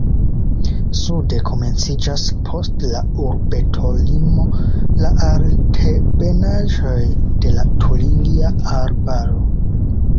Sude komenciĝas post la urbetolimo la altebenaĵoj de la Turingia Arbaro.